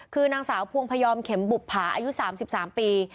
คือนางสาวพวงพยอมเข็มบุภาอายุ๓๓ปี